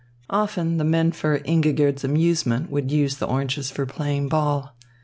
Often the men for Ingigerd's amusement would use the oranges for playing ball.